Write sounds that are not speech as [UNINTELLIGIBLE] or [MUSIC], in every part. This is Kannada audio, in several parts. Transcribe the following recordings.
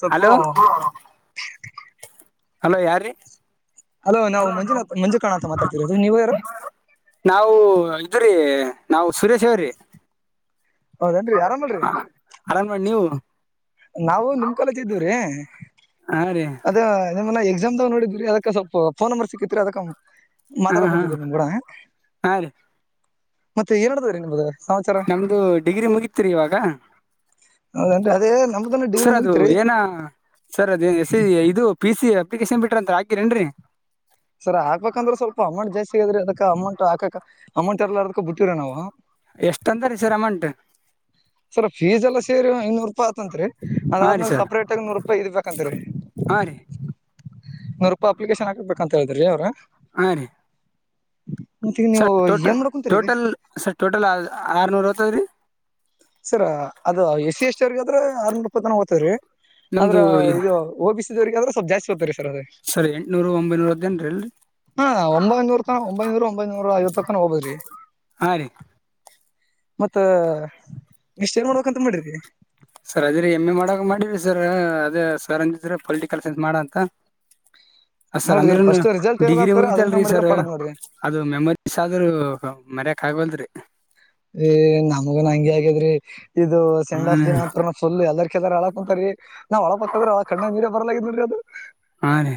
ಸ್ವಲ್ಪ ಹಲೋ ಹಲೋ ಯಾರೀ ಅಲೋ ನಾವುಂಜುನಾಥ ಮಂಜು ಕಣ ಅಂತ ಮಾತಾಡ್ತಿರೋದು ನೀವು ಯಾರು ನಾವು ಇದ್ರೀ ನಾವು ಸುರೇಶ್ ಅವವ್ರೀ ಹೌದನ್ರಿ ಆರಾಮ ಅಲ್ರರಿ ಆರಾಮ್ ಮಾಡಿ ನೀವು ನಾವು ನಿಮ್ ಕಾಲೇಜ್ ಇದ್ದೀವ್ರೀ ಹಾ ರೀ ಅದ ನಿಮ್ಮ ಎಕ್ಸಾಮ್್ ನೋಡಿದ್ರಿ ಅದ ಸ್ಲ್ಪ ಫೋನ್ ನಂಬರ್ ಸಿಕ್ಕಿತ್ರಿ ಅದಕ ಹಾ ಮಾತಾಡ ಹಾ ಕುಂತಿದರಿ ನಿಮ್ ಕೂಡ ಹಾ ರೀ ಮತ್ತೆ ಏನ್ಡ್ತೀ ನಿದು ಸಮಾಚಾರ ಒಮ್ದಂದು ಡಿಗ್ರಿ ಮುಗತಿರಿ ಇವಾಗ ಹೌದೇನ್ರಿ ಅದೇ ನಮ್ದನ ಡಿಗ್ರಿ ಸರ್ ಅದು ಮುಗಿತ್ರಿ ಏನ ಸರ್ ಅದ ಇದು ಪಿ ಸಿ ಅಪ್ಿಕೇಶನ್ ಬಿ್ರ ಅಂತ ಹಾಕಿೇನ್ರಿ ಸರಿ ಹಾಕ್ಬೇಕಕ್ಂದ್ರೆ ಸ್ವಲ್ಪ ಅಮೌಂಟ್ಾಸ್ತಿಗದ್ರ ಅದ ಅೌಟ್ ಹಾಕ ಅಮೌಟ್ ಎಲ್ಲ ಅದಕ ಬ ಬಿಟ್ಟೀವರಿ ನಾವು ಎಷ್ಟ ಅಂತ ರೀ ಸರ್ ಅಮೌಂಟ್ ಸರ್ ಫೀಸ್ ಎಲ್ಲ ಸರಿ ಐನೂರು ರೂಪಾಯ ಆತತ್ರಿ ಹಾ ರೀ ಅದಾದ್ಮೇಾಗ ಸರ್ ಸಪ್ರೇಟ್ಗ ನೂರು ರೂಪಾಯಿ ಇದಬೇಕಂತ ರೀ ಹಾ ರೀ ನನ್ನೂರು ರೂಪಾಯಿ ಅಪ್ಲಿಕೇಶನ್ ಹಾಕ್ಬೇಕಂತ ಹೇಳಿದ್ರಿ ಅವ್ರ ಹಾ ರೀ ಮತ್ತ ಈಗ ನೀವು ಸರ್ ಟೋಟ ಏನ್ ಮಾಡ ಕುಂತರಿ ಟೋಟಲ್ ಸರ್ ಟೋಟಲ್ ಆರ್ನೂರ್ ತದ್ರೀ ಸರ ಅದು ಎಸ್ ಸಿ ಎಷ್ಟರ್ಗಾದ್ರೆ ಆರ್ನೂರ ಇಪ್ಪತ್ತು ಜನ ಓ್ತದ್ರೀ ನಮ್ದು ಆದದ್ರ ಇದು ಓಬಿಸಿದವ್ರರಿಗೆ ಆದ್ರೆ ಸ್ವಲ್ಪ ಜಾಸ್ತಿ ಹ್ತಾರೆ ಸರ್ ಅದೇ ಸರಿ ಎಂಟ್ನೂರ ಒಂಬೈನೂರದೇಏನ್ರಿಲ್ರಿ ಹಾ ಒಂಬೈನೂರ ತನ ಒಂಬೈನೂರ ಒಂಬೈನೂ ಐವ ತನ ಹೋದ್ರಿ ಹ ರೀ ಮತ್ತ ಇಷ್ಟೇಏನ್ ಮಾಡೋಬೇಕಂತ ಮಾಡಿದ್ರರಿ ಸರ್ ಅದಿರ ಎಮ್ ಎ ಮಾಡಕ ಮಾಡಿರರಿ ಸರ್ ಅದೇ ಸರ್ ಅದ್ರ ಪೊಲಿಟಿಕಲ್ ಸೈನ್ಸ್ ಮಾಡ ಅಂತ ಅ ಸರ್ ನೋಡ್ರಿ ಅಂದ್ರನು ಫಸ್ಟ್ ರಿಸಲ್ಟ್ ಡಿಗ್ರಿ ಯಾವ್ದಾಗ್ತಾರ ಅದ್ರ ಮ್ಯಾಗ ಮುಗಿತಲ್ರಿ ಮಾಡಿದ್ರ ಸರ್ ಪಡದ್ ನೋಡ್ರಿ ಅದು ಮೆಮೊರೀಸ್ ಆದ್ರೂ ಮರಯಕ್ ಆಗವ್ಲದರಿ ನಮಗ ನಂಗೆ ಆಗಿದ್ರಿ ಇದು ಸೆಂಡ್ ಆಫ್ ಹ್ಮ ದಿನ ಅಂತು ಫುಲ್ ಎಲ್ಲಾರ್ ಕೇದಾರ ಅಳಕ್ ಕುಂತಾರಾರಿ ನಾವ್ ಅಳಬೆಕದ್ರ ಅಳ ಕಣ್ಣ ನಿರ ಬರ್ಲಾಗಿದ್ ಅದು ಹಾಂ ರ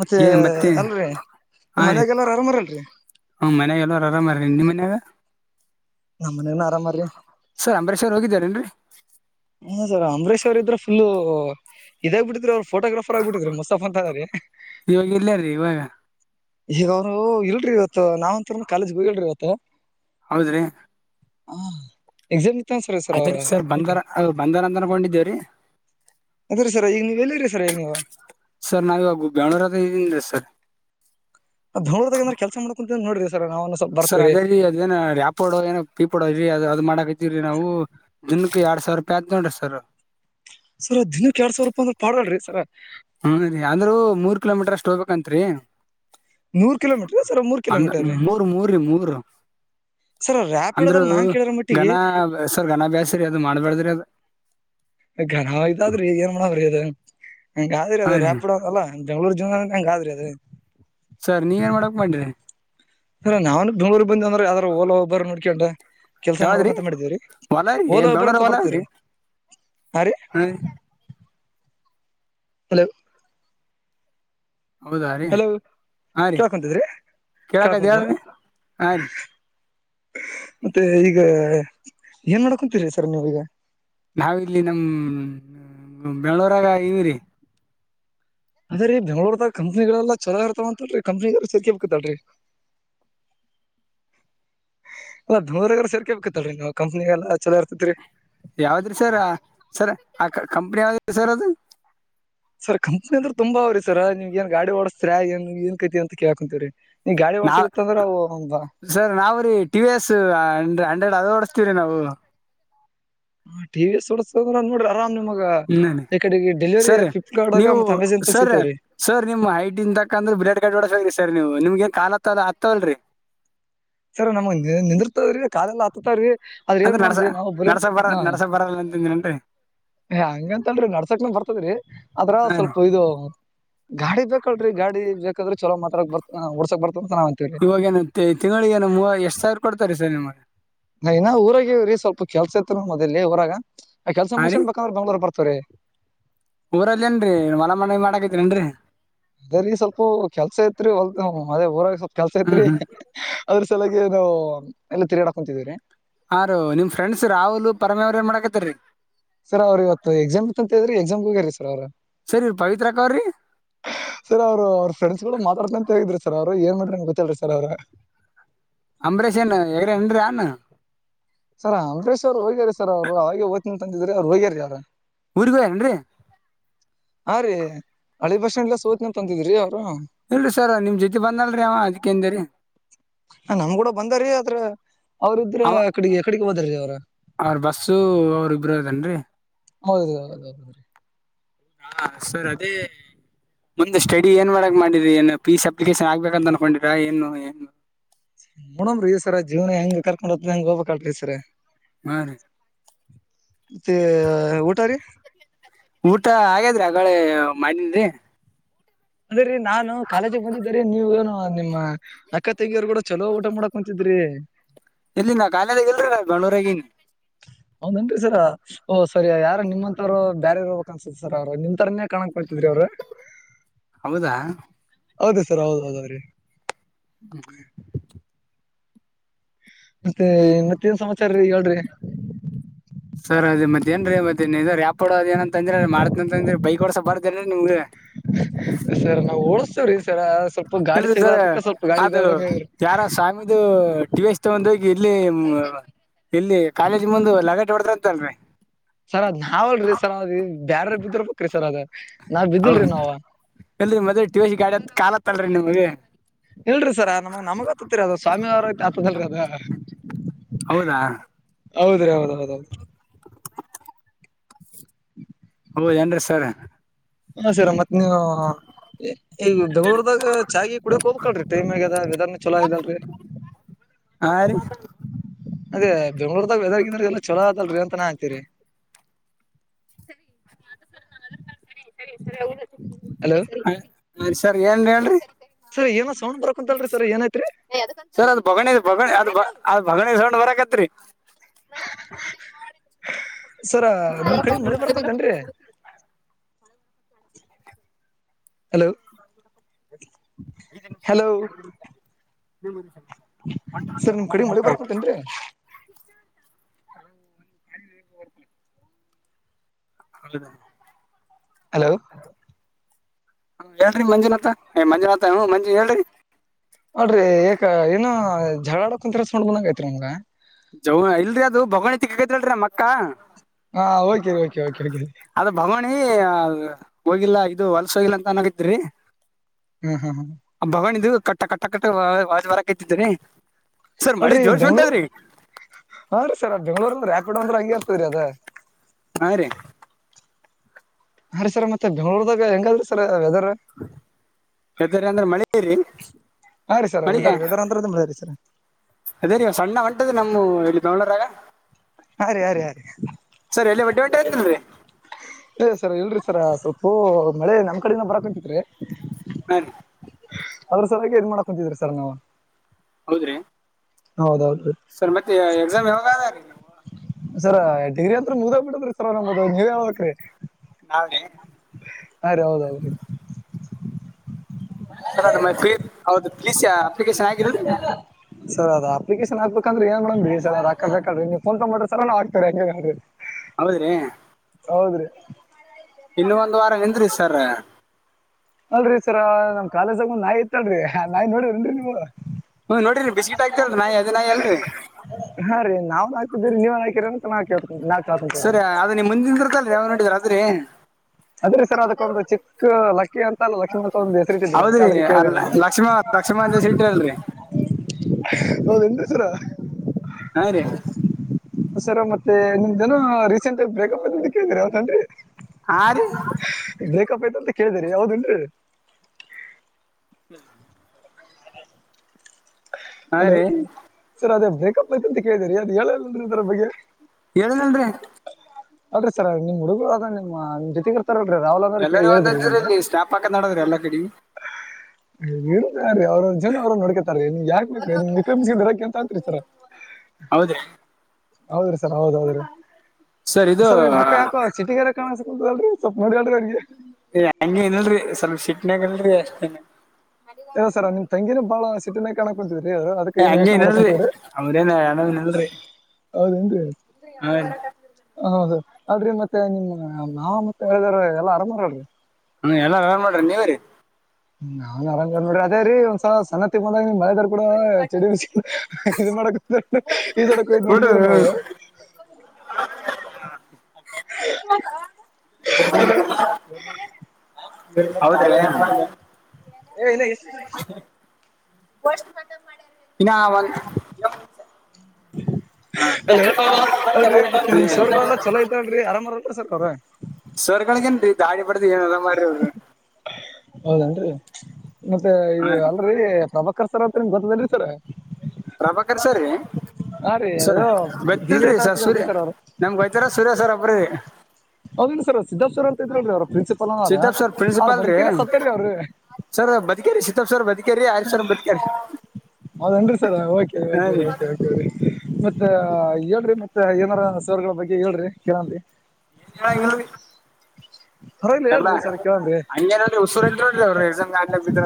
ಮತ್ತೆ ಅಲ್ರರಿ ನಿ ಮನ್ಯಾಗ ಎಲ್ಲಾರ ಆರಾಮರಲ್ರರಿ ಹ್ಮ್ ಮನ್ಯಾಗಲ್ಲೋರ ಆರಾಮಾರರೀ ನಿಮ್ಮ ಮನ್ಯಾಗ ನಮ್ಮ್ನೇನ ಆರಾಮ ರೀ ಸರ್ ಅಂಬರೇಶ್ರ್ ಹೋಗಿದ್ದಾರ ಏನ್ರಿ ಹ್ಮ ಸರ್ ಅಂಬರೀಶ್ವರ್ ಇದ್ರೆ ಫುಲ್ ಇದಾಗ್ ಬಿಟಿದ್ರರು ಅವರುಫೋಟೋಗ್ರಾಫರ್ ಆಗಿ ಬಿಟ್ಟಿದ್ರ ಮುಸ್ತಾಫ ತರಾರಿ ಇವಾಗ ಇಲ್ಲಯ್ರೀ ಇವಾಗ ಈಗ ಅವ್ನು ಇಲ್ರಿ ಇವತ್ತು ನಾವಂತೂ ಕಾಲೇಜ್ ಹೋಗಿಲ್ರಿ ಇವತ್ತು ಹೌದ್ರಿ [UNINTELLIGIBLE] ಅದ್ರ ಅವ್ರ ಸರ್ ಬಂದಾರ ಅ ಬಂದಾರ ಅಂತ ಅನ್ಕೊಂಡಿದ್ದೇವ್ರೀ ಅದ್ರರಿ ಸರ್ ಈಗ ನೀವು ಎಲ್ಲರಿ ಸರ್ ಈಗ ನೀವು ಸರ್ ನಾವು ಇಗ ಬೆಂಗಳೂರಲ್ಲಿ ಇದ್ದೀನ್ ಸರ್ ಬೆಂಗಳೂರು ದಾಗ ಕೆಲಸ ಮಾಡ್ಕಂತ ನೋಡರಿ ಸರ್ ನಾ ಸರ್ ಅದೇಲ್ಲಿ ಅದೇಏನ ಯ್ಯಾಪ್ಡೋ ಏನ ಪೀಪ್ ಕೊಡೋ ಅ ಅದ್ ಮಾಡಕತಿವ್ರೀ ನಾವು ದಿನಕ್ಕೆ ಎರಡ್ ಸಾವಿರ ರೂಪಾಯಿ ಆದ್ ನೋಡರಿ ಸರ್ ಸರ್ ದಿನಕ್ಕೆ ಎರಡ್ ಸಾವಿರ ರೂಪಾಯ ಅಂದ್ರ ಪಾಡ್ರಿ ಸರ್ ಹ್ಮ್ ರೀ ಅಂದ್ರೂ ಮೂರ್ ಕಿಲೋಮೀಟರ್ ಅಷ್ಟ್ ಹೋಗ್ಬೇಕಂತ್ರಿ ನೂರ್ ಕಿಲೋಮೀಟರ್ ಸರ್ ಮೂರ್ ಅಂದ ಕಿಲೋಮೀಟರ್ ರೀ ಮೂರು ಮೂರ ಮೂರ ರೀ ಸರ್ ಅಂದ್ರೂ ರ್ಯಾಪಿಡೋದಾಗ ನಾನ್ ಕೇಳಿರೋ ಮಟ್ಟಿಗೆ ಘನ ಸರ್ ಘನ ಅಭ್ಯಾಸ ರೀ ಅದು ಮಾಡ್ಬೇಡ್ದ್ರಿ ಅದ ಗನಾವಯ್ತ ಆದ್ರಿ ಈಗ ಏನ್ ಮಾಡ್ರಿ ಅದು ಹಂಗಾದ್ರಿ ಹಾ ಅದ ರೀ ರಾಪಿಡ್ ಅಲ್ಲಾ ಬೆಂಗಳೂರು ಜಿವನ ಹೆಂಗ ಆದ್ರರಿ ಅದು ಸರ್ ನೀವ ಏನ್ ಮಾಡಬೆಕ್ತ ಮಾಡ್ರಿ ಅರ ನಾನ್ ಬೆಂಗಳೂರು ಬಂದ್ರ ಯಾವದ್ರರು ಓಲ ಒಬ್ಬರು ನೋಡ್ಕೊಂಡಟ ಕೆಲ್ಸ ಯಾವ್ದ್ರಿ ಮಾಡ್ಬೇಕಂತ ಮಾಡಿದೇವ್ರಿ ಹೊಲ ರೀ ಓಲೋ ಒಬ್ ಬೆಂಗಳೂರ ಅಂತ ಹೊಲ ಬರ್ತ ರೀ ಹಾ ರೀ ಹಲೋ ಹೌದಾ ರೀ ಹಲೋ ಹಾ ರೀ ಕೇಳ್ಕೊಂತಿದ್ರಿ ಕೇಳಕೈದ ಕೇಳ್ಕೊಂತ ಹೇಳ್ರಿ ಹ ರೀ ಮತ್ತೆ ಈಗ ಏನ್ ಮಾಡೋಡ್ಕೊಂತೀರಿ ಸರ್ ನೀವೀಗ ನಾವ ಇಲ್ಲಿ ನಮ್ಮ ಬೆಂಗಳುರಾಗ ಇವೀರಿ ಅದ್ರೀ ಬೆಂಗಳೂರ್ದಾಗ ಕಂಪನಿಗಳೇಲಾ ಚಲೋ ಇರ್ತಾವಂತಲ್ರೀ ಕಂಪ್ನಿ ಸಕೆ ಬೇಕತ್ತತಲ್ರಿ [UNINTELLIGIBLE] ಅಲಾ ಬೆಂಗಳೂರಿಗೆ ಸೇರ್ಕೇ ಬೇಕತ್ತರಿ ನಾವವು ಕಂಪ್ನಿಗೆಲ್ಲ ಚಲೋ ಇರ್ತೇತ್ರಿ ಯಾವ್ದ್ರಿ ಸರ್ ಸರ್ ಆ ಕಂಪ್ನಿ ಯಾವ್ದ್ರೀ ಸರ್ ಅದು. ಸರ್ ಕಂಪ್ನಿ ಅಂದ್ರೆ ತುಂಬ ಅವ್ರಿ ಸರ್ ನೀವ್ ಏನ್ ಗಾಡಿ ಓಡಿಸ್ತೀರಾ ಏನ್ ಏನ್ ಕೈತಿ ಅಂತ ಕೇಳಾಕುಂತಿರಿ. ನೀವ್ ಗಾಡಿ ನಾವ್ ಒಡ್ಸಿರುತ್ತಂದ್ರೆ ಅವು ಹಂಗ ಸರ್ ನಾವುರೀ ಟಿವ ವಿ ಎಸ್ ಹಂಡ್ರೆಡ್ ಅದ ಓಡಸ್ತಿವ್ರೀ ನಾವು. ಹ ಟಿ ಸೋಡ್ಸೋದ್ರ ನೋಡಿ ಆರ್. ನಮ್ಗ ಹ್ಮ್ ಈ ಕಡೆಗೆ ಡೆಲಿವರಿ ಸರ್ ಫ್ಲಿಪ್ಕಾರ್ಟ್ ನೀವು ಆಗ ಮತ್ತೆ ಅಮೆಜಾನ್ ಪೇ ಸರ್ ಸಿಗ್ತದ ರೀ. ಸರ್ ನಿಮ್ ಹೈಟ್ ಇನ್ ತಕಂದ್ರೆ ಬ್ಲೆಡ್ ಕಟ್ ಡಸ್ಬೇಕ್ರಿ ಸರ್ ನೀವು ನಿಮ್ಗೆ ಕಾಲ ಕಾಲ ಆತ್ತತವಲ್ರರಿ. ಸರ ನಮಗ ನಿಂದರ್ತವ್ರಿ ಕಾಲೆಲ್ಲ ಹತ್ತತ್ತವ್ರಿ. ಆದ್ರೇನ್ ಅಂದ್ರ ನಡ್ಸ ಮಾಡಮ್ರಿ ನಾವು ಬುಲೆಟ್ ನಡ್ಸ ಬರ ತಕನ್ ಆ ನಡ್ಸ ಬರಲ್ಲ ಅಂತಂದಿರೇನ್ರಿ ಹಂಗಂತಲ್ರಿ ನಡ್ಸಕ್ ನಿಮ್ಗ್ ಬರ್ತದ್ರಿ ಅದ್ರ ಹಾ ರೀ ಸ್ವಲ್ಪ್ ಇದು ಗಾಡಿ ಬೇಕಲ್ರಿ ಗಾಡಿ ಬೇಕಾದ್ರೆ ಚಲೋ ಮಾತಾಕ್ ಬರ್ ಹೊಡ್ಸಕ್ ಬರ್ತ ಅಂತ ನಾವ್ ಅಂತೀವ್ರಿ ಇವಾಗೇನ ತಿಂಗಳಿಗೆ ಏ ಮೂವ ಎಷ್ಟ್ ಸಾವಿರ ಕೊಡ್ತಾರೆ ಸರ್ ನಿಮಗೆ. ನಾ ಇನ್ನ ಊರಾಗವ್ರೀ ಸ್ವಲ್ಪ ಕೆಲ್ಸ ಇತ್ತುತ್ ಮೊದಲಿ ಊರಾಗ ಆ ಕೆಸ ಹಾ ರೀ ಮುಗಸನ್ ಬೇಕಂದ್ರೆ ಬಂಗಳೂರ್ ಬರ್ತವ್ರರಿ. ಊರಲ್ಲಿಲ್ಲೇನ್ರಿ ಹೊಲ ಮನಿ ಮಾಡಕೇತಿರಿೇನ್ರಿ ಅದೇ ರೀ ಸ್ವಲ್ಪ ಕೆಲ್ಸ ಐತ್ರಿ ಹೊಲ್ ಅದೇ ಊರಾಗ ಸ್ವಲ್ಪ್ ಕೆಲ್ಸ ಹ್ಮ್ ಇತ್ರಿ. ಹ್ಮ್ ಅದ್ರ ಸಲಾಗಿ ನಾವು ಎಲ್ಲ ತಿರುಗಾಡ ಕುೊಂತಿದೀವಿ ಹಾ ರೋ ನಿಮ ಫ್ರೆಂಡ್ಸ್ ರಾಹುಲ್ ಪರಮೇವ್ರ ಏನ್ ಮಾಡಾಕತ್ತರೀ ಸರ್ ಅವ್ರ ಇವತ್ತು ಎಸಾಮ್ ಇ ಅಂತ ಹೇಳ್ರಿ ಎಕ್ಸಾಮ್ ಹೋಗ್ಯಿರಿ ಸರ್ ಅವ್ರು ಸರಿ ಇವ್ರ್ ಪವಿತ್ರಕ್ಕೋರಿ ಸರ್ ಅವರು ಅವ್ರ ಫ್ರೆಂಡ್ಸ್ ಗಳು ಮಾತಾಡ್ತಂತೇಗಿದ್ರಿ ಸರ್ ಅವರು ಏನ್ ಮಾಡ್ರಿ ಗೊತ್ತಲ್ರರಿ ಸರ್ ಅವರು ಅಂಬರೀಷ ಏನ್ ಹೆಗ್ರ ಏನ್ರೀ ಅನ್ ಸರ್ ಅಂಬರೇಶ್ ಅವರು ಹೋಗ್ಯಾರಾರಿ ಸರ್ ಅವರು ಅವೆಗೆ ಹೋಗ್ತೀನಿ ಅಂತಂದಿದ್ರೆ ಅವ್ರು ಹೋಗ್ಯಾರ ಅವರು ಊರಿಗೆ ಹೋಗ್ಯರೇನ್ರಿ ಹಾ ರೀ ಹಳಿ ಬಸ್ಂಡಲ್ಲಾ ಸೋತ್ನ ತಂದಿದ್ರಿ ಅವರು ಇಲ್ಲ ಸರ್ ನಿಮ್ಮ್ ಜೊತೆ ಬಂದಲ್ರಿ ಅವ ಅದಕ್ಕೆದ ರೀ ಹ ನಮ್ ಕೂಡ ಬಂದಾರಿ ಆದತ್ರ ಅವ್ರ ಇದ್ರೆ ಅವ ಕಡೆಗೆ ಕಡೆಗೆ ಬದಾರೀ ಅವ್ರ ಅವ್ರ ಬಸ್ಸು ಅವ್ರ ಇಬ್ರು ಇದದೇನ್ರರಿ ಹೌದ ಹೌದು ಹೌದ್ರೀ ಹಾ ಸರ್ ಅದೇ ಮುಂದೆ ಸ್ಟಡಿ ಏನ್ ಮಾಡಕ್ ಮಾಡಿರಿ ಏನು ಪೀಸ್ ಅಪ್ಲಿಕೇಶನ್ ಆಗ್ಬೇಕಂತ ಅನ್ಕೊಂಡಿರಾ ಏನು ಏನು ನೋಡ್ರೀ ಸರ ಜೀವನ ಹೆಂಗ ಕರ್ಕೊಂಡ ಹತ್ತ ಹೆಂಗ ಹೋಗಬೇಕಕ್ಲ್ ಸರ್ ಮ ರೀ [UNINTELLIGIBLE] ತ್ತ ಊಟ ರ ಊಟ ಹಾಗೇದ್ರಿ ಅಳೇ ಮನನ್ ರೀ ಅಂದ್ರೀ ನಾನು ಕಾಲೇಜಿಗೆ ಕಂದಿದ್ರ ನೀವ ಏನೋ ನಿಮ್ಮ ಅಕ್ಕ ತೆಗಿಯವರು ಕೂಡ ಚಲೋ ಊಟ ಮಾಡಕೊಂತಿದ್ರಿ ಇಲ್ಲಿಂದಾ ಕಾಲೇದ ಇಲ್ರರಿ ಬಂಡೂರಗನ್ ಹೌದನ್ರಿ ಸರ್ ಓ ಸರಿ ಯಾರ ನಿಮ್ಮಂತವ್ರು ಬ್ಯರ ಹ ಸ ಅವರು ನಿಮ್ ತರನೇ ಕಾಣಕಕ್ ಕೊಡ್ತಿದ್ರಿ ಅವರು ಹೌದಾ ಹೌದ ಸರ್ ಹೌದ ಹೌದ ರೀ ಹ್ಮ್ ಹ್ಮ್ [UNINTELLIGIBLE] ಮತ್ತೆ ಮತ್ತೇನ್ ಸಮಾಚಾರ ರೀ ಹೇಳ್ರಿ ಸರ್ ಅದ ಮತ್ತೇಏನ್ರಿ ಮತ್ತೇನ್ ಇದ ರ್ಯಾಪ್ಪಡೋದ ಏ ಅಂತ ಅಂದ್ರ ಮಾಡತ್ನ ಅಂದ್ರ ಬೈಕ್ ಹೊಡ್ಸ ಬಾರ್ದರರಿ ನಿಮ್ಗೆ ಸರ್ ನಾವವು ಓಳಸ್ತೇವ್ರೀ ಎ ಸರ್ ಅದು ಇದಾದಂಗ ಆಗ್ಯಾದ್ರಿ. ಯಾರ ಸ್ವಾಮಿದು ಟಿವ ಮತ್ತ ಒಂದ ಹೋಗಿ ಇಲ್ಲಿ ಇಲ್ಲಿ ಕಾಲೇಜ್ ಮುಂದ ಲಗಟ್ ಹೊಡದ್ರಂತಲ್ರರಿ ಸರ್ ಅದ್ ನಾವಲ್ರರಿ ಸರ್ ಅದ್ ಬೇಾರ ಬಿದ್ರ ಬಕ್ ಸರ್ ಅದ ನಾವ್ ಹೌ ಬಿದ್ದಿಲ್ರರಿ ನಾವವು ಇಲ್ರಿ ಮದ ಟಿವಿ ಗಾಡಿ ಅಂತ ಕತ್ತಲ್ರಿ ನಿಮಗೆ ಇಲ್ರರಿ ಸರ ನಮಗ್ ನಮಗ ಆತತಿರಿ ಅದ ಸ್ವಾಮಿ ಅವ್ರ ಆತದಲ್ರಿ ಅದ ಹೌದಾ ಹೌದ್ರಿ ಹೌದ ಹೌದೌದು ಹ್ಮ [UNINTELLIGIBLE] ಓ ಏನ್ರೀ ಸರ್ ಹಾ ಸರ ಮತ್ತ್ ನೀವು ಈಗ ಬೆಂಗಳೂರ್ದಾಗ ಚಾಯೆ ಕುಡಿಯಕ್ ಹೋಗ್ಕಳ್ರೀ ಟೈಮ್ ಆಗ್ಯದ ವದಾರ್ನ್ ಚಲೋ ಆದಲ್ರರಿ ಹಾರಿ ಅದೇ ಬೆಂಗ್ಳೂರ್ದಾಗ ಬೆದಾರ್ಗಿಂದಲ್ಲ ಚಲೋ ಅದಲ್ರಿ ಅಂತ ನಾ ಅಂತೀರಿ ಹಲೋ ಸರಿ ಏನ್ ಹೇಳ್ರಿ ಸರ್ ಏನೋ ಸೌಂಡು ಬರಕ ಅಂತಲ್ರಿ ಸ ಏನ ಐತ್ರಿ ಸರ್ ಅದ ಬಗಣ ಅದ ಅದ ಬಗಣಿಡ್ ಬರಕತ್ರಿ [UNINTELLIGIBLE] ಸರ ನಿಮ್ ಕಡೆ ಮಳೆ ಬರ್ಕೊಂತನ್ರಿ ಹಲೋ ಹಲೋ ಐ ನಿಮ ನಿ ಸರ್ ನಿಮ್ ನಿ ಕಡೆ ಮಳಿ ಬರ್ಕುಂತೇನ್ರಿ [UNINTELLIGIBLE] ಅಲ್ಲದ [UNINTELLIGIBLE] ಹಲೋ ಹ ಹೇಳ್ರರಿ ಮಂಜುನಾಥ ಮಂಜನಾಥ ಹ್ ಮಂಜು ಹೇಳ್ರರಿ ಅಲ್ಡ್ರಿ ಕ ಏನ ಝಳಾಡಕ್ ಒಂತರ ಸೊಂಡ್ ಬಂದಾಗ ಆಐತ್ರಿ ನಮ್ಗ ಜವ ಇಲ್ರರಿ ಅದು ಭಗವಣಿತಿ ಕಗೈತ್ಲ್ರರಿ ನಮ್ಮ ಅಕ್ಕ ಹಾ ಓಕೆರಿ ಓಕೆ ಓಕೆ ಓಕ ಅದ ಭಗವಣಿ ಹೋಗಿಲ್ಲಾ ಇದು ಹೊಲ್ಸ ಹೋಗಿಲ್ಲ ಅಂತ ಅನ್ಗತ್ರಿ ಹ್ಮ ಹಾ ಹಾ ಭಗವನ್ ಇಿದದು ಕಟ್ಟ ಕಟ್ಟ ಕಟ್ಟ ವಾಜವಾರಕ್ಕೆ್ದಿದ್ದೇನೆ ಅಲ್ೀ ಈಗ ಬೆಂಗ್ಳೂರ್ ಹಾ್ರೀ ಸರ್ ಬೆಂಗ್ಳೂರ್ ರ್ಯಾಪಿಡ್ ಅಂದ್ರ ಹಂಗ ಆರ್ತದ್ರೀ ಅದ ಹಾ ರೀ ಹ ರೀ ಸರ್ ಮತ್ತೆ ಬೆಂಗಳೂರ್ದಾಗ ಹೆಂಗಲ್ರಿ ಸರ್ ವೆದರ್ ಹೆ್ದರಿ ಅಂದ್ರ ಮಳೆ ಇರಿ ಹರಿ ವೆಟ್ಟೋರಿ ಅಂತದ್ದರಿ ಸರ್ ಅದೇ ರೀ ಸಣ್ಣ ಒಂಟದ ನಮ್ಮ್ ಇಲ್ಲಿ ಗಂಗಳರಾಗ ಅರಿ ಅರಿ ಅರಿ ಸರ್ ಎಲ್ಲಿ ಬಡ್ಡಿ ಹೊಂಟ ಐತಿಲ್ರಿ ಸರ್ ಇಲ್ರರಿ ಸರ ಸ್ವಲ್ಪ ಮಳೆ ನಮ್ ಕಡಿಂದ ಬರಕ್ಂಂತಿತ್ರಿ ಹೇನ್ ಅದ್ರ ಸಲಾಗಿ ಎದ ಮಾಡಕ ಕುೊಂತಿದ್ರಿ ಸರ್ ನಾವು ಹೌದ್ರಿ ಹೌದೌದುೀ ಸರ್ ಮತ್ತೆ ಎಕ್ಸಾಮ್ ಹೋಗಾದ ರೀ ಸರ ಡಿಗ್ರಿ ಅಂತತ್ ಮುಗದೋಗ್ಬಿಡದ್ರಿ ಸರ್ ನಮದು ನೀವ್ ಹೇಳ್ಬೇಕ್ರಿ ನಾವೀ ಹಾ ರ ಹೌದೌ್ರೀ ಮತ್ತ ಹೌದು ಪಿಸಿ ಅಪ್ಲಿಕೇಶನ್ ಆಗಿದ ಸರ್ ಅದ ಅಪ್ಲಿಕೇಶನ್ ಹಾಕ್ಬೇಕಂದ್ರೆ ಏನ್ ಮಾಡ್ ಬಿಡಿ ಸ ಅದ ಹಾಕಬೇಕ ನೀವು ಸ್ವಂತ ಅಮಾಡಿದ್ರೆ ಹಾಕೋ ಹೌದ್ರಿ ಹೌದ್ರಿ ಇನ್ನು ಒಂದ್ ವಾರ ನಿಂದ್ರರಿ ಸರ್ ಅಲ್ರರಿ ಸರ ನಮ್ ಕಾಲೇಜಗ್ ನಾಯ್ ಇತ್ತಾಳ್ರಿ ನಾಯಿ ನೋಡನ್ರಿ ನೀವವು ಹ್ಮ್ ನೋಡರಿ ಬ್ಕಿಟ್ ಆಗ್ತಿಲ್ರಿ ನಾಯಿ ಅದ ನಾಯ ಅಲ್ರಿ ಹಾ ರೀ ನಾವ್ ಹಾತಿದೀ ನೀವನ್ ಹಾಕಿರಿ ಅಂತ ನಾ ಕ ನಾ ಕಾಕಂತೀ ಸರಿ ಅದ ಮುಂದಿನ ಅವ್ ನಡಿದ ಆದ್ರೆ ಆದದ್ರೆ ಸರ್ ಅದಕ್ಕೊಂದು ಚಿಕ್ಕ ಲಕ್ಕಿ ಅಂತ ಅಲ್ಲ ಲಕ್ಕ್ಮಿ ಅಂತ ಒಂದು ಹೆಸರುರಿಟ್ಟಿದ್ದಿರಿ ಅದಕ್ಕೆ ಅದಕ್ಕೆ ಕೇಳಳ್ಾರೆ ಲಕ್ಷ್ಮ ಲಕ್ಷ್ಮ ಅಂತ ಇಟ್ರಿ ಅಲ್ರರಿ ಹೌದು ಎಂತಸರ ಹಾ ರೀ ಹಸರ ಮತ್ತೆ ನಿಮ್ದೇನ ರೀಸೆಂಟ್ಗಿ ಬ್ರೇಕಪ್ ಕೇಳರಿ ಅವತ್ತನ್ರಿ ಹಾ ರೀ ಬೇಕಪ್ಪ ತ ಅಂತ ಕೇಳ್ದರಿ ಯಾವ್ದನ್ ಹೇಳ ಹ್ಮ ಹಾ ಹಲೋ ರೀ ಸರ್ ಅದೇ ಬ್ರೇಕಪ್ ಐತ ಅಂತ ಕೇಳಿದಿರಿ ಅದ ಹೇಳರಿಂತರ ಬಗ್ಗೆ ಹೇಳಏನನ್ರಿ ಅೌದ್ರೀ ಸರ್ ನಿಮ್ಮ್ ಹುಡುಗರು ಅದ ನಿಮ್ಮ ನಿ ಜೊತೆಗರ್ ನಾವಲಾದ್ರರು ಎಲ್ಲರೂ ಒಂದಂತಿದ್ರಿ ಹೇಳಿದ್ರಿಂದ ಇಲ್ಲಿ ಸ್ಟಾಪ್ ಹಾಕದ್ ನೋಡದ್ರಿ ಎಲ್ಲಾ ಕಡೆ ಹೇಳತಾರೆ ಅವ್ರಂದ ಜನ ಅವ್ರ ನಡಕ ನಿಮ್ ಯಾಕ್ ಬ್ರ ನಿ [UNINTELLIGIBLE] ಕಂತಂತತರ ಹೌದ್ರಿ ಹೌದ್ರಿ ಸರ್ ಹೌದ್ ಹೌದ್ರೀ ಸರ್ ಮಕ್ಕ ಯಾಕೋ ಸಿಟಗಾರ ಕಾಣಸ ಅಲ ಸ್ವಪ್ನ ನಡಿಡ್ರಗೆ ಹಂಗಗೆ ಇಲ್ರಿ ಸ್ವಲ್ಪ ಶಿಟ್ನಾಗಲ್ರಿ ಅಷ್ಟ ಇಲ್ಲ ಸರ್ ನಿ ತಂಗಿನ ಬಾಳ ಚಿನ ಕಾಣಕಂತೀವ್ರಿ ಅದಕ್ಕೆ ಏ ಏನ್ ಹಂಗೆ ಯೋಚನೆ ಏನಲ್ರಿ ಮಾಡ್ಕೊತೀವ್ರಿ ಅವ್ರೇನ ಹೌದನ್ ಹೌ ಹ ಹೌದು ಅಲ್ ಮತ್ತೆ ನಿಮ್ಮ ನಾ ಮತ್ತೆ ಹೇಳಿದಾರ ಎಲ್ಲಾ ಆರಾಮ್ ರಡ್ರಿ ಹ್ಮ ಎಲ್ಲ ಯಾರನ್ ಮಾಡ್ರಿ ನೀವ್ರರಿ ನಾನ್ ಆರಾಮ್ ನೋಡಿ ಅದೇ ರೀ ಒಂದ್ಸ ಸಣ್ಣ ತಗೊಂಡಾಗ ನಿಮ್ ಮಳದಾರ್ ಕೂಡ ಚಳಡಿ ಬ ಇದು ಮಾಡಕ ಈ ಸಡಕ್ ನೋಡಿದೀರ ನಾವು ನೋಡ್ರಿ ಅದು [UNINTELLIGIBLE] ಹೌದ್ರ ಏ ವರ್ಸ್ಟ್ ಮಾತ ಮಾಡ ಇ [UNINTELLIGIBLE] ನವನ್ ಹಲೋ ಅಲ್ ರಿ ಮತ್ತೆ ನಿಮ್ ಸೋರ್ಗಳೆಲ್ಲ ಚಲೋ ಐತೆ ಅಲ್ ಆರಾಮ್ರಲ್ ಸರ್ ಅವ್ರ ಸವರ್ಗಳಿಗೇನ್ ರೀ ದಾಳಿ ಬಡ್ದು ಏನಲ್ಲ ಮಾರವ್ರಿ ಹೌದೇನ್ರಿ ಮತ್ತೆ ಹಾ ಇದು ರೀ. ಅಲ್ರರಿ ಪ್ರಭ ಕ ಸರ್ತ್ರ ನಿಮ ಗತ್ತದಲ್ಲಿರಿ ಸರ್ ಪ್ರಭಾಕರ್ ಸರಿ ಹಾ ರೀ ಸರ್ ಅದು ಬಿ ವಿ ಬತ್ಲ್ರಿ ಅಂತ ಸರ್ ಸೂರ್ಯ ಹತ್ತಿದಲ್ರಿ ಅವ್ರು ನಮ್ಗ್ ಬೈತಾರ ಸೂರ್ಯ ಸರ್ ಅಬ್ ಹೌದಿಲ್ಲ ಸರ್ ಸಿದ್ಧಾರ್ ಸರ್ ಅಂತ ಇದ್ರಲ್ರಿ ಅವ್ರ ಪ್ರಿನ್ಸಿಪಲ್ ಅನ ಅವ್ರ ಸಿದ್ದಪ್ಪ ಸರ್ ಅವ್ರ ಪ್ರಿನ್ಸಿಪಾಲ್ ರೀ ಬದುಕೇರ ಸತ್ತ ರೀ ಅವ್ರು [UNINTELLIGIBLE] ಸರ್ ಬದುಕೇರಿ ಸತಾಪ್ ಸರ್ ಬದುಕೇರಿ ಆಯ ಸರ್ ಬದುಕೇರಿ ಹೌದನ್ರಿ ಸರ್ ಓಕ ಹಾ ರೀ ಕ ಏನ್ ಮತ್ತ ಹೇಳ್ರಿ ಮತ್ತೆ ಏನಾರ ಸವಗಳ ಬಗ್ಗೆ ಹೇಳ್ರಿ ಕೇಳಿ ಹ ಪರವಾಗಿಲ್ಲ ಎಲ್ಲ ಹೇಳ್ರಿ ಸರ್ ಕೇಳನ್ರಿ ಹಂಗೆನ ಉಸುರ ಅಂತ ನೋಡ ಅವರು ಎಸನ್ ಗಾ ಬಿದ್ರ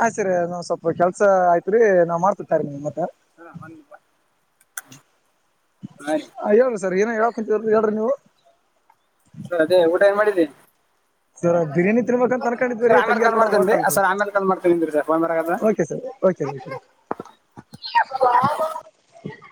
ಹಾ ಸರಿ ನ್ ಸ್ವಲ್ಪ ಕೆಲ್ಸ ಆಯ್ತ್ರಿ ನಾವ್ ಮಾಡ್ತಿತಾರೆ ನಿಮ್ ಮತ್ತ ಸ ಹ ರೀ ಹ ಹೇಳಿ ಸರ್ ಏನ ಯಾವ ಕುಂತ ಎ ಹೇಳಿ ನೀವು ಸ ಅದೇ ಊಟ ಏನ್ ಮಾಡಿದ್ದಿ ಸರ್ ಬಿರಿಯಾನಿ ತಿನ್ಬಂತ ಸರ್ ತನ್ಕೊಂಡಿದ್ವಿ ಆಮೇಲೆ ತಂಗಿಯಾರ್ ಕಾಲ್ ಕೂಡ ಮಾಡ್ತೇನೆ ರೀ ಹೋಗಕಲ್ರಿ ಸರ್ ಆಮೇಲೆ ಕಾಲ್ ಮಾಡ್ತೇನೆ sir K sir okay okay ಹ [UNINTELLIGIBLE]